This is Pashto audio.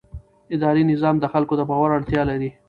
اداري نظام د خلکو د باور اړتیا لري.